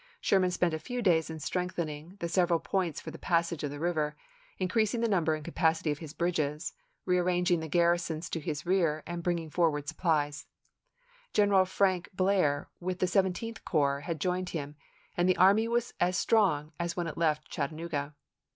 Sherman spent a few days in strengthening the several points for the passage of the river, increasing the number and ., n i . v 4 j .,. Sherman, capacity of his bridges, rearranging the garrisons "Memoirs." to his rear and bringing forward supplies. Gren p.n."' eral Frank Blair with the Seventeenth Corps had joined him, and the army was as strong as when it left Chattanooga.